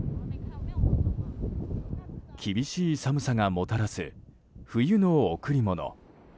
厳しい寒さがもたらす冬の贈り物。